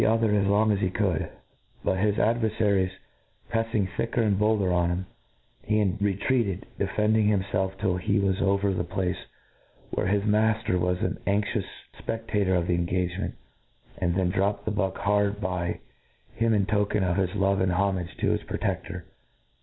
pther ?ts long as he could; b\»this ad«^ verlgries prefQng thicker and bolder on him^ he retreated, defei^ing himfelf till he was over the place where his mafter was an anxious fpe&ator of the engagqnent, and then dropt the buck hard by him in token of his love and homage to his proteftor.